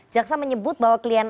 jaksa menyebut bahwa klien